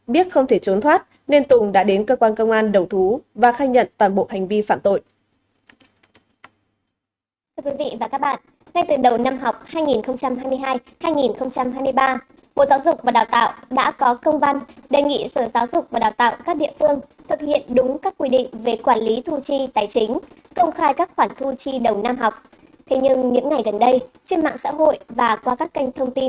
biết không thể trốn thoát nên tùng đã đến cơ quan công an đầu thú và khai nhận toàn bộ hành vi phản tội